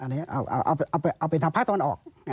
งั้นเอาเป็นภาพภัคดอลออก